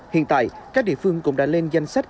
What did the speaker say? hiện tại các địa phương cũng đã lên danh sách